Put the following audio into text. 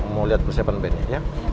mau liat persiapan bandnya ya